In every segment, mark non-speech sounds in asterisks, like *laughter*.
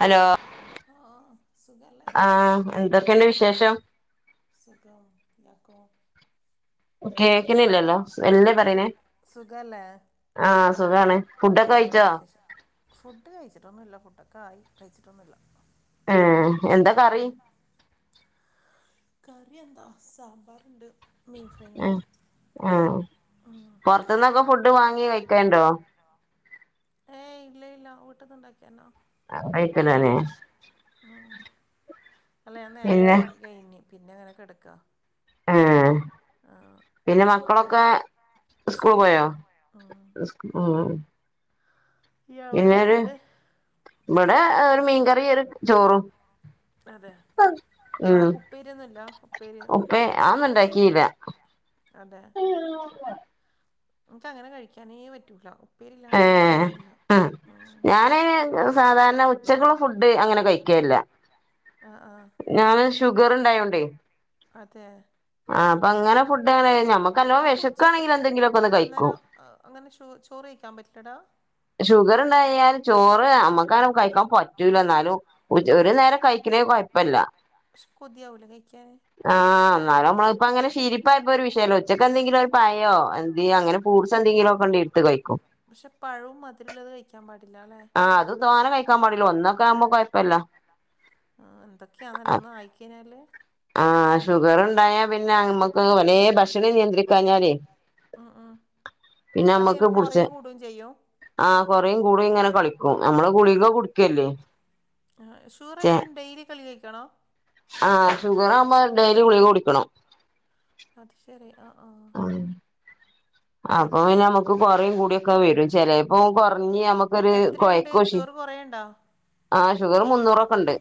Hello ആഹ് സുഖമല്ലേ? എന്തൊക്കെയുണ്ട് വിശേഷം? സുഖം, ഇയാൾക്കോ? ഓഹ് കേക്കുന്നില്ലല്ലോ? മെല്ലെ പറയാണേ ആഹ് സുഖാണ്, ഫുഡ് ഒക്കെ കഴിച്ചോ? ഫുഡ് കഴിച്ചിട്ടൊന്നുമില്ല ഫുഡ് ഒക്കെ ആയി കഴിച്ചിട്ടൊന്നുമില്ല. ഏഹ് എന്താ കറി? കറി എന്താ സമ്പാറുണ്ട്, മീൻ ഫ്രൈ ഉണ്ട്. ആഹ്, പുറത്തന്നൊക്കെ ഫുഡ് വാങ്ങി കഴിക്കാറുണ്ടോ? ഏയ് ഇല്ല ഇല്ല വീട്ടീന്ന് ഉണ്ടാക്കിയ തന്നെ. ആയിക്കാനാനെ. ആഹ് അല്ല ഞാൻ നേരത്തെ പണി കഴിഞ്ഞു, പിന്നെ അങ്ങനെ കിടക്കുക. ഏഹ് പിന്നെ മക്കളൊക്കെ സ്കൂൾ പോയോ സ് ഉം പിന്നെ ഒരു ഇവിടെ ഒരു മീൻകറിയും ഒരു ചോറും. അതെ വേറെ ഉപ്പേരിയൊന്നുല്ല ഉപ്പേരി, ഉപ്പേരി ഞാൻ ഒന്നും ഉണ്ടാക്കിയില്ല. അതെ എനിക്ക് അങ്ങനെ കഴിക്കാനേ പറ്റൂല, ഉപ്പേരി ഇല്ലാണ്ട് പറ്റൂല്ല. ഉം ഞാൻ അങ്ങനെ സാധാരണ ഉച്ചക്കുള്ള ഫുഡ് അങ്ങനെ കഴിക്കില്ല. ആഹ് ആഹ് ഞാന് ഷുഗർ ഉണ്ടായോണ്ടേ. അതെ ആഹ് അപ്പൊ അങ്ങനെ ഫുഡ്‌ അങ്ങനെ കഴിഞ്ഞോ, അപ്പൊ ഉച്ചക്ക് അന്നേരം ആഹ്. അങ്ങനെ ചോ ചോറ് കഴിക്കാൻ പറ്റില്ലടാ. ഷുഗർ ഉണ്ടായാൽ ചോറ് നമുക്കാണൽ കഴിക്കാൻ പറ്റൂല എന്നാലും ഒരു നേരം കഴി ഇത് കുഴപ്പമില്ല, ആഹ്. എന്നാലും നമ്മള് ഇപ്പൊ അങ്ങനെ ശീലിപ്പായപ്പോ ഒരു വിഷയമല്ല ഉച്ചക്ക് എന്തെങ്കിലും. പയോ എന്തെ അങ്ങനെ ഫ്രൂട്ട്സ് എന്തെങ്കിലും ഒക്കെ ഉണ്ടാൽ എടുത്ത് കഴിക്കും. പക്ഷെ പഴവും മധുരമുള്ളത് കഴിക്കാൻ പാടില്ല അല്ലേ. ആഹ് അത് തോനെ കഴിക്കാൻ പാടില്ല ഒന്നൊക്കെ ആവുമ്പോ കൊഴപ്പമില്ല. ആഹ് എന്തൊക്കെയാന്നുള്ളന്ന് ആയി കഴിഞ്ഞാലേ. ആഹ് ഷുഗർ ഉണ്ടായാൽ പിന്നെ നമുക്ക്‌ ഒരേ ഭക്ഷണം നിയന്ത്രി കഴിഞ്ഞാലേ പിന്നെ നമ്മുക്ക് പുടിച്ചാൻ. ആഹ് കൊറെയും ഗുളിക ഇങ്ങനെ കഴിക്കും, നമ്മള് ഗുളിക കുടിക്കല്ലേ. ആഹ് ഷുഗറായിപ്പോ ഡെയിലി ഗുളിക കഴിക്കണോ? ആഹ് ഷുഗർ ആകുമ്പോ ഡെയിലി ഗുളിക കൊടുക്കണം. അത് ശരി ആഹ് ആഹ്. അപ്പൊ പിന്നെ നമുക്ക് കൊറെ ഗുളിക മേടിക്കണം *unintelligible* എത്രയുണ്ടെ. ഷുഗറ് കൊറയുണ്ടോ? ആഹ് ഷുഗർ മുന്നൂറൊക്കെ ഉണ്ട്.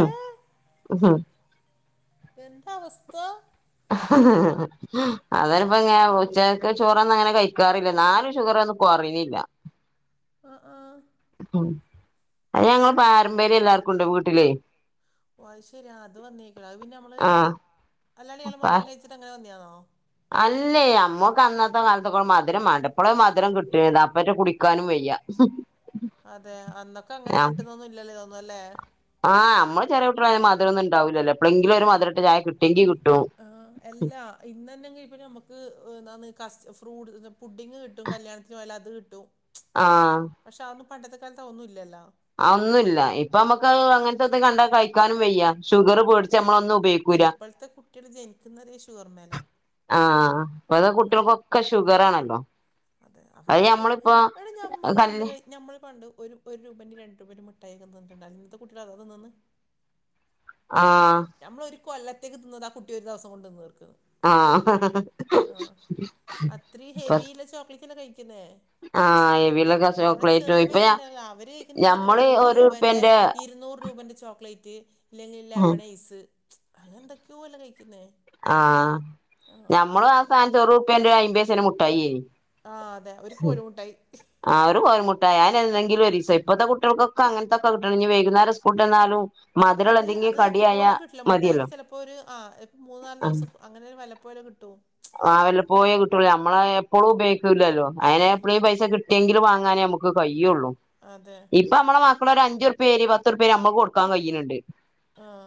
ഉം ഉം എന്താ അവസ്ഥാ? *inaudible* അന്നേരം ഇപ്പൊ ഇങ്ങനെ ഉച്ചക്ക് ചോറൊന്നും അങ്ങനെ കഴിക്കാറില്ല, എന്നാലും ഷുഗർ ഒന്നും കുറയണില്ല. *inaudible* ആഹ് ആഹ് ഉം അത് ഞങ്ങളെ പാരമ്പര്യം എല്ലാർക്കുണ്ട് വീട്ടിലേ ഓ അയ് ശരി അത് വന്നേക്കണെ അത് പിന്നെ അമ്മള് അല്ലാണ്ടിയാള് മധുരം കഴിച്ചിട്ട് അങ്ങനെ വന്ന്യോ അല്ലേ അമ്മക്ക് അന്നത്തെ കാലത്തൊക്കെ മധുരം മാണ്ടേ ഇപ്പളെ മധുരം കിട്ടെന്നെ അപ്പേറ്റെ കുടിക്കാനും വയ്യ മ് അതെ അന്നൊക്കെ അങ്ങനെ കിട്ടുന്നൊന്നും ഇല്ലല്ലേ ഇതൊന്നും അല്ലേ ആഹ് നമ്മള് ചെറിയൊട്ട്യാളയന്ന മധുരൊന്നും ഉണ്ടാവില്ലലോ എപ്പോളെങ്കിലും ഒരു മധുരട്ട ചായ കിട്ടി ഈ ആ എല്ല ഇന്നന്നെങ്കിലും ഇപ്പ ഞമ്മക്ക് എന്താന്ന് കസ് ഫ്രൂട്ട് പുഡിങ്ങ് കിട്ടും കല്യാണത്തിന് പോയാല് അത് കി ട്ടും ആഹ് പക്ഷെ അതോന്ന് പണ്ടത്തെക്കാലത്ത് ആ ഒന്നും ഇല്ലല്ല ആ ഒന്നുല്ല ഇപ്പ അമ്മക്ക് അങ്ങനത്തെത്താ കണ്ടാലും കഴിക്കാനും വയ്യ പക്ഷെ ഇപ്പോഴത്തെ കുട്ടികള് ജനിക്കുന്നതേ ഷുഗർമ്മേലാകും ആഹ് ഇപ്പൊത്തെ കുട്ട്യോൾക്കൊക്കെ ഷുഗറാണല്ലോ അതെ അവരതെ എടാ ഞമ്മ പണ്ട് കെയ് ഞമ്മൾ പണ്ട് ഒര് ഒരു രൂപേന്റെ രണ്ട് രൂപേന്റെയും മുട്ടായിക്കോ തിന്നിട്ടിണ്ടായി ഇന്നത്തെ കുട്ടികൾ അതാ തിന്ന്ന്ന് ആ ഞമ്മളൊരു കൊല്ലത്തേക്ക് തിന്നുന്നത് ആ കുട്ടി ഒരു ദിവസം കൊണ്ടെന്ന്ർക്കും ആ അത്ര ഹെവിള്ള ചോക്ലേറ്റല്ലെ കഴിക്കുന്നേ നമ്മളെ ചെറിയ പൈസണ്ടലെ അവര് കഴിക്കുന്ന ഇപ്പത്രനൂറ് രൂപന്റെ ഇരുന്നൂറ് രൂപന്റെ ചോക്ലേ റ്റ് ഇല്ലെങ്കിൽ ലബണൈസ് അങ്ങനെ എന്തൊക്കെയോ അല്ലെ കഴിക്കുന്നേ ആഹ് ഞമ്മളാസ്ഥാനത്ത് ഒരുപ്പേയ്ന്റെ അയിമ്പയ്സേന്റെ മുട്ടായേനി ആ അതെ ഒരു കോലുമുട്ടായി ആ ഒരു കോൽമുട്ടായി അയെന്നെ എന്തെങ്കിലൊരീസായീ ഇപ്പൊത്തെ കുട്ട്യോൾക്കൊക്കെ അങ്ങനത്തെക്കെ കിട്ടണം ഇനി വൈകുന്നേര സ്ക്കൂള്ട്ട് വന്നാലും അത് അത് എപ്പോഴന്നും കിട്ടില്ല മുട്ടായൊക്കെ ചെല പ്പരു ആ ഇപ്പോൾ മൂന്നാല് ദിവസൊ അങ്ങനൊരു വല്ലപ്പോലെക്കെ കിട്ടൂ ആ വല്ലപ്പോയേ കിട്ടൂലേ നമ്മളാനെ എപ്പളും ഉപയോഗിക്കൂല്ലല്ലോ അയെന്നെ എപ്പേളേ പൈസ കിട്ട ട്ടിയെങ്കില് വാങ്ങാനേ അമുക്ക് കയ്യുള്ളൂ ഇപ്പൊ അമ്മളെ മക്കളെരു അഞ്ചുർ പ്യരീ പത്തൂർപ്യരീന്നറിയുമ്പോ അമ്മക്ക് കൊടുക്കാൻ കയ്യിണ ണ്ട് ആഹ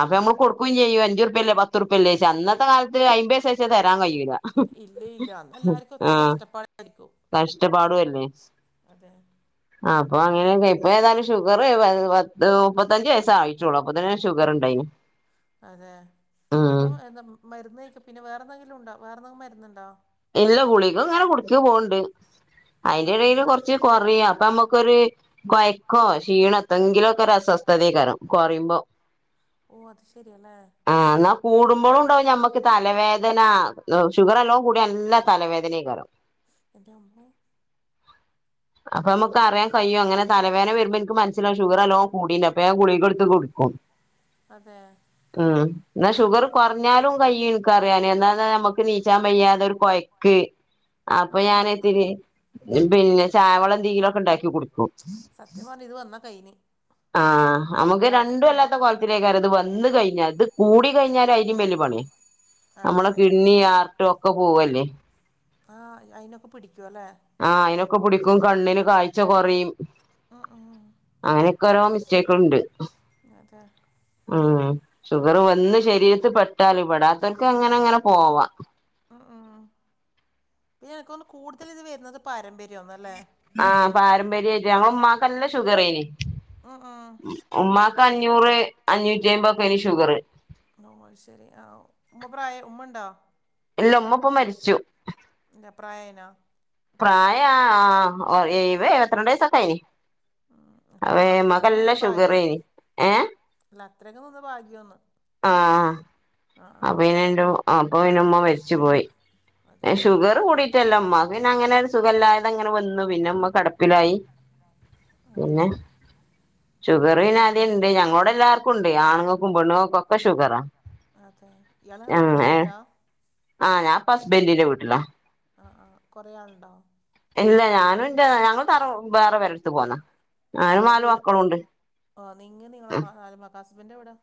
അപ്പൊ നമ്മള് കൊടുക്കയും ചെയ്യും അഞ്ചറുപയല്ലെ പത്ത് റുപയല്ലേ അന്നത്തെ കാലത്ത് അമ്പയ്സ തരാൻ കയൂലആഹ പരിക്കൂ *unintelligible* കഷ്ടപ്പാടു അല്ലേ അപ്പൊ അങ്ങനെ ക ഏതാലും ഷുഗർ പത്ത് മുപ്പത്തഞ്ചു വയസ്സ ആായിട്ടോുള്ളൂ അപ്പത്തന്നെ ഷുഗർ ഉണ്ടായിന് അതെ അപ്പൊ എന്താ മരുന്ന് കഴക്ക പിന്നെ വേറെ എന്തെങ്കിലും ഉണ്ടോ വേറെന്തെങ്കിലും മരുന്നുണ്ടോ ഇല്ല ഗുളികു ഇങ്ങനെ കുടിച്ച് പോകണ്ട് അതിന്റെ ഇടയില് കുറ ച്ച്കുറയാ അപ്പൊ അമ്മക്കൊരു കൊഴക്കോ ക്ഷീണ എന്തങ്കിലുക്കെ രസ്വസ്ഥതയ കാരം കുറയുമ്പോ ഓ അത് ശരിയ ആഹ എന്നാൽ കൂടുമ്പോഴും ഉണ്ടാവും ഞമ്മക്ക് തലവേദന ഷുഗറല്ലോ കൂടി നല്ലതലവേദന കാരം അപ്പൊ നമ്മക്ക് അറിയാൻ കയ്യും അങ്ങനെ തലവേദന വരുമ്പോ ഇന്ക്ക് മനസ്സിലാവും ഷുഗറ് നല്ലോ കൂടില്ലെ, അപ്പ ഞാൻ ഗുളിക എടുത്ത് കുടിക്ക് ഉം. അതേ. ഉം. എന്നാ ഷുഗർ കൊറഞ്ഞാലും കയ്യും ഇന്ക്കറിയാന്. എന്താന്നാ നമുക്ക് ണീച്ചാൻ വയ്യാ ന്നൊരു കൊയക്ക്. അപ്പൊ ഞാനിത്തിരി പിന്നെ ചായവെളളം എന്തെങ്കിലു ഒക്കെ ഇണ്ടാക്കി കുടിക്കും. ആഹ് അമ്മക്ക് രണ്ടു അല്ലാത്ത കൊഴപ് ക്കാരം ഇത് വന്ന് കഴിഞ്ഞാൽ. ഇത് കൂടി കഴിഞ്ഞാലയിലും വല്യ പണിയാ. ഞമ്മളെ കിഡ്ണി ഹാർട്ട് ഒക്കെ പോവുവല്ലേ. ആഹ് അയിനൊക്കെ പിടിക്കുവല്ലേ? ആഹ് അയിനൊക്കെ പിടിക്കും കണ്ണിന് കാഴ്ച കൊറയും. അങ്ങനെയൊക്കെ ഓരോ മിസ്റ്റേക്ക്ണ്ട്. അതെ. ഉം. ഷുഗറ് ഒന്ന് ശരീരത്തിപ്പെട്ടാല്. പെടാത്തവർക്ക് അങ്ങനെ അങ്ങനെ പോവാ. ഉം ഉം. പിന്നെ എനിക്കോന്നു കൂടുതല് ഇത് വര്ന്നത് പാരമ്പര്യാന്നല്ലേ? ആഹ് പാരമ്പര്യായിട്ട്. അമ്മളെ ഉമ്മാക്കെല്ലം ഷുഗറേനി. ആഹ് ആഹ്. ഉമ്മാക്ക് അഞ്ഞൂറ് അഞ്ഞൂറ്റി എമ്പതക്കെ ഏനു ഷുഗറ്. ഓഹ് അത് ശരി. ആഹ് ഉമ്മ പ്രായ ഉമ്മണ്ടോ? ഇല്ല ഉമ്മ ഇപ്പ മരിച്ചു. എന്ത പ്രായായിനൊ? പ്രായ ആഹ്, എഴ്പ എഴുപത്തിരണ്ട് വയസൊക്കെ ആയിന്. അവേ ഉമ്മക്കെല്ലം ഷുഗറേനി. ഏഹ്? അല്ല അത്രൊക്കെ നിന്ന ഭാഗ്യോന്ന്. ആഹ്. അപ്പൊ ഇനെന്തോ അപ്പൊ പിന്നെ ഉമ്മ മരിച്ചു പോയി. ഷുഗറ് കൂടീട്ടല്ല. ഉമ്മാക്ക് പിന്നെ അങ്ങനെ ഒരു സുഖല്ലായതങ്ങനെ വന്നു, പിന്നെ ഉമ്മ കെടപ്പിലായി. പിന്നെ, ഷുഗറ് പിന്നെ ആദ്യേ ഇണ്ട്. ഞങ്ങളോടല്ലാർ ക്കുണ്ട്. ആണുങ്ങക്കും പെണ്ണുങ്ങക്കൊക്കെ ഷുഗറാ. അതെ? ഇയാള് ഹസ്ബന്റ് വീട്ടിലാ? ആഹ് ഞാനിപ്പ ഹസ്ബന്റിന്റെ വീട്ടിലാ. ആഹ് ആഹ്. കൊറേ ആള്ണ്ടോ? ഇല്ല ഞാനു ന്റെ, ഞങ്ങള് തറ വേറെ പെര എട്ത്ത് പോന്നാ. ഓഹ് വീട്. നിങ്ങ നിങ്ങളെ മ ഈഹ് ഹസ്ബന്റിന്റെ വീടോ?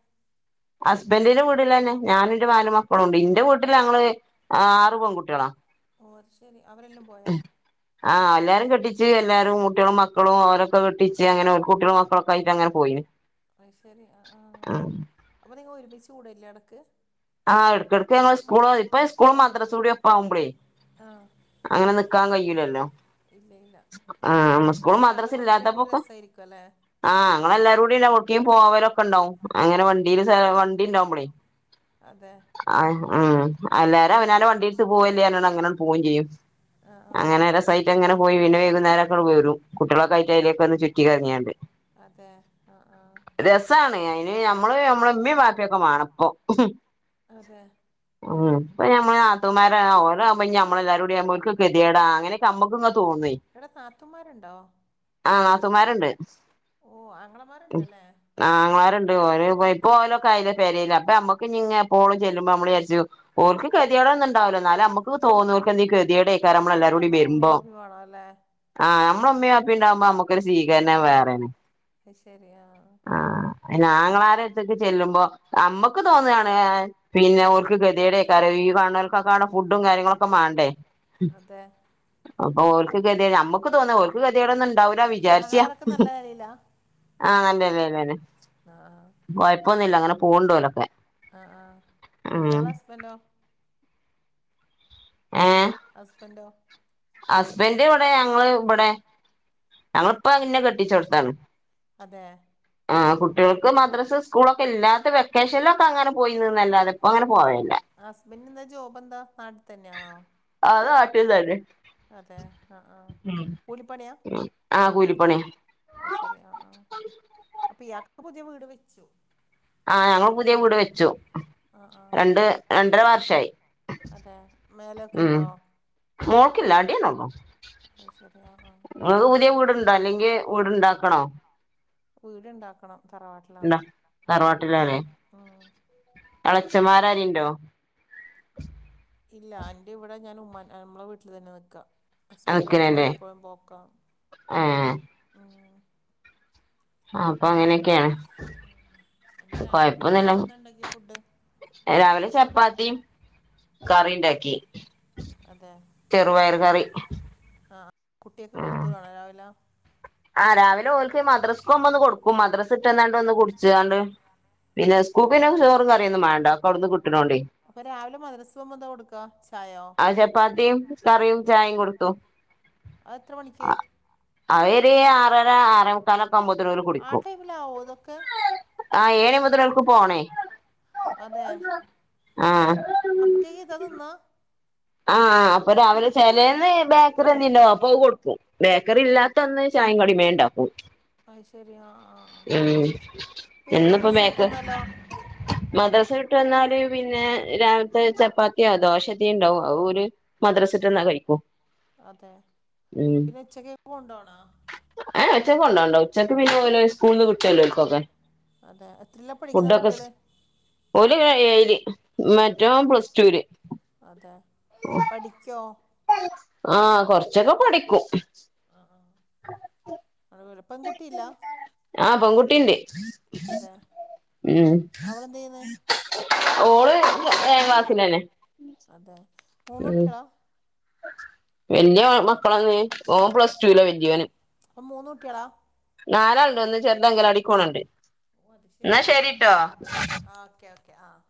ഹസ്ബന്റിന്റെ വീട്ടിലന്നെ, ഞാനു ഇന്റെ നാല് മക്കളു ഇണ്ട്. ഇന്റെ വീട്ടില് ഞങ്ങള് ആറ് പെൺകുട്ടികളാ. ഓഹ് അത്ശെരി. അവരെല്ലം പോയോ? ആഹ് എല്ലാരും കെട്ടിച്ച് എല്ലാരും കുട്ട്യേളും മക്കളും ഓരൊക്കെ കെട്ടിച്ച്. അങ്ങനെ കുട്ടികളും മക്കളൊക്കെ ആയിട്ട് അങ്ങനെ പോയിന്. അത്ശരി അഹ് ആഹ്. അപ്പൊ നിങ്ങള് ഒരുമിച്ച് കൂടലില്ല എടക്ക്? ആഹ് എട്ക്കട്ക്ക് ഞങ്ങള് സ്കൂളോ ഇപ്പോ ഇസ്കൂളും മദ്രസൂടി ഒപ് ആഹ്. അങ്ങനെ നിക്കാൻ കയ്യൂലല്ലോ? ഇല്ല ഇല്ല ആഹ്. പിന്നെ ആറ് പെൺകുട്ടികളാവുമ്പോ ഒരു രസായിരിക്കുവല്ലെ? ആഹ് ഞങ്ങളെല്ലാരും കൂടിണ്ടേ എവിടേക്കും പോകിലൊക്കെ ഇണ്ടാവും അങ്ങനെ വണ്ടീല് സ്ഥലം വണ്ടിണ്ടാവുമ്പളെ. അതെ. ആഹ് ഉം. എല്ലാരും അവനാന്റെ വണ്ടിയെട്ത്ത് പോവല്ലേ പറഞ്ഞാണ്ട് അങ്ങനെ പോവും ചെയ്യും. അങ്ങനെ രസായിട്ട് അങ്ങനെ പോയി പിന്നെ വൈകുന്നേരൊക്കെ വരും, കുട്ട്യോളക്കായിട്ട് അതിലക്കെ ഒന്ന് ചുറ്റി കറങ്ങിയാണ്ട്. അതെ ആഹ് ആഹ് രസാണ് അയ്ന് നമ്മള് നമ്മളെ ഇമ്മിം വാപ്പിയൊക്കെ വാണപ്പം. അതെ ആഹ് ഇപ്പയ്ന് ഞമ്മള് നാത്തൂമാരാ ആഹ് ഓലാവുമ്പം ഇഞ്ഞമ്മളെല്ലാരും കൂട്യാവുമ്പം ഓൽക്ക് ഗതികേടാ അങ്ങനൊക്കെ നമ്മുക്ക്ങ്ങനെ തോന്ന്വേ. ഇടെ നാത്തൂന്മാരുണ്ടോ? ആഹ് നാത്തൂന്മാര്ണ്ട്. ഓഹ് ആങ്ങളമാരുണ്ടല്ലേ. ആങ്ങളാര് ണ്ട്. ഓന് ഇപ്പ ഓലോക്കെ ആയിലേ പെരേല്. അപ്പ ഞമ്മക്ക് ങ്ങനെ എപ്പോളും ചെല്ലുമ്പം നമ്മള് വിചാരിച്ചും ഓൽക്ക് ഗതികേട് ഒന്നുണ്ടാവൂല്ല. ഇന്നാലും നമ്മക്ക് ങ്ങ തോന്നും ഓൽക്കെന്തേലും കെത്യേടേക്കാരം ഞമ്മളെല്ലാരും കൂടി വര്മ്പം. കൊറവാ ല്ലേ. ആഹ് നമ്മളെ ഇമ്മിം വാപ്പിം ഇണ്ടാവുമ്പോ നമ്മക്കൊരു സ്വീകരണം അത് വേറേണ്. അഹ്ശരിയാ. ആഹ് ആഹ്. അയ്ന് ആങ്ങളാരെടുത്ത്ക്ക് ചെല്ലുമ്പം നമ്മക്ക് തോന്നാണ് പിന്നെ ഓൽക്ക് കെത്യേടേക്കാരം. ഈ കാൺണോൽക്കൊക്കപ്പാടെ ഫുഡും കാര്യങ്ങളൊക്കെ മാണ്ടേ. അതെ അപ്പൊ ഓൽക്ക് കെത്യേട് ഞമ്മക്ക് തോന്നാ ഓൽക്ക് കെത്യേടൊന്നും ഉണ്ടാവൂല്ല വിചാര്ച്ച. ക്ക നല്ല നെലീലാ? ആഹ് നല്ല നെലേലന്നെ. കൊഴപ്പൊന്നൂല്ല അങ്ങനെ പോവ്ണ്ടോലൊക്കെ. ആഹ് ആഹ്. ഇയാളെ ഹസ്ബൻഡോ? ആഹ്? ഹസ്ബൻഡോ? ഹസ്ബൻഡ് ഇവടെ ഞങ്ങള് ഇബടെ. ഞങ്ങളിപ്പം ഇന്നെ കെട്ടിച്ചോട്ത്താണ്. അതെ ആഹ് കു ട്ടിയോൾക്ക് മദ്രസ് സ്കൂളൊക്കെ ഇല്ലാത്ത വെക്കേഷനിലൊക്കെ അങ്ങനെ പോയിന്ന് ന്നല്ലാതെ ഇപ്പം അങ്ങനെ പോവേല്ല. ആഹ് ഹസ്ബൻഡെന്താ ജോബെന്താ, നാട്ടി തന്നെയാണോ? ആഹ് അത് നാട്ടിൽ തന്നെ. അതെ ആഹ് ആഹ് കൂലിപ്പണ്യാ? അത് ശരി ആഹ് ആഹ് അപ്പിയാക്ക് പുതിയ വീട് വെച്ചു? ആഹ് ഞങ്ങൾ പുതിയ വീട് വെച്ചു. രണ്ട് രണ്ടര വർഷായി ഉം മോൾക്കില്ല. അടിയെന്നെ ഒള്ളു. അത് ശരി ആഹ് ആഹ്. ഇങ്ങക്ക് പുതിയ വീട്ണ്ടോ അല്ലെങ്കി വീടുണ്ടാക്കണോ? വീട് ണ്ടാക്കണം തറവാട്ടിലാണ്. ഉം ഉം എളച്ചന്മാര് ആരേൻൻ്റോ? ഇല്ല. എന്റെ ഇവടെ ഞാൻ ഉമ്മാൻ നമ്മളെ വീട്ടിൽ തന്നെ നിക്കാ. ഹസ്ബൻന്റെ വീട്ടിൽ വല്ലപ്പോഴും പോക്കാന്ന്. ഏഹ്. അപ്പൊ അങ്ങനൊക്കേണ്. എന്താ രാത്രി രാവിലെ എന്താണ്ടാക്ക്യെ ഫുഡ്? രാവിലെ ചപ്പാത്തിം കറി ണ്ടാക്കി. അതെ ചെറുപയർ കറി ആഹ്‌ കുട്യാക്ക് കൊടുത്തുകാണോ രാവിലെ ആഹ്‌ രാവിലെഓല്ക്ക് മദ്രസ്ക്ക്ക്കോവുമ്പൊന്ന് കൊടുക്കും മദ്രസവിട്ട്ന്നാണ്ട് ഒന്ന് കുടിച്ചാണ്ട് പിന്നെ സ്കൂൾക്കിന്നെ ചോറുംകറിയൊന്നും വാണ്ടാ അപ്പൊ രാവിലെ മദ്രസ പോവുമ്പോ എന്താ കൊടുക്കാ ചായോ കറിയും ചായയും കൊടുത്തും അതെത്ര മണിക്ക് ഇതി ആറര ആറേമുക്കാലൊക്കെ അവുമ്പോ ത്ത്ന് ഓല് കുടിക്കും ആഹ്‌ ഏഴണിവ്മ്പൊത്ന് ഓൽക്ക് പോണേ *unintelligible* ആഹ്‌ ആഹ് അപ്പൊ രാവിലെ ചായക്ക് ചെലേന്ന് ബേക്കറിന്തേലുണ്ടാവും അപ്പൊ അത്‌ കൊടുക്കും ബേക്കറില്ലാത്തന്ന് ചായിം കടിം ബേണ്ടാക്കും. ഉം ഇന്നിപ്പൊ ബേക് മദ്രസ വിട്ട് വന്നാല് പിന്നെ രാവിലത്തെ ചപ്പാത്തിയോ ദോശത്ത എത്തേലുണ്ടാവും. അത്‌ ഓല് മദ്രസട്ടന്നാ കഴിക്കും. അതെ പിന്നെ ഉച്ചക്കെക്ക് കൊണ്ടോണോ ആഹ് ഉച്ചക്ക് കൊണ്ടോണ്ട ഉച്ചക്ക് പിന്നെ ഓല് സ്കൂള്ന്ന് കിട്ടോല്ലോല്ക്കൊക്കെ അതെ എത്രില്ലാ പഠിക്ക്ണേ കുട്ട്യാള് ഓല് ര ഏയില് മറ്റോന് പ്ലസ്റ്റൂല് അതെ ഓഹ് പഠിക്കോ ആഹ്‌ കൊറച്ചൊക്കെ പഠിക്കും അഹ് ആഹ്‌ ആഹ്‌ പെൺകുട്ടിണ്ട് ഉം ഓള് ഏഴാം ക്ലാസിലെന്നെ അതെ മൂന്നുട്യാളാ വല്യ മക മക്കളാണ് ഓന് പ്ലസ് ടുല് വല്യോന് നാലാള്ണ്ട് ഒന്ന് ചെറുതങ്കല വാടിക്കോണണ്ട്. ഓഹ്‌ അത് ശെരി ആഹ്‌ ആഹ്‌ ഓക്കെ ഓക്കെ ആഹ്‌